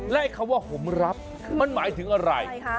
และคำว่าผมรับมันหมายถึงอะไรคะ